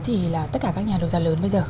thì là tất cả các nhà đầu ra lớn bây giờ